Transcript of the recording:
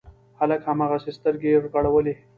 هلک هماغسې سترګې رغړولې.